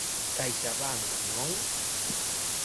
Caixabank, ¿non?